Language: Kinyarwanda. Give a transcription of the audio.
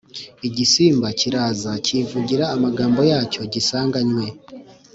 igisimba kiraza cyivugira amagambo yacyo gisanganywe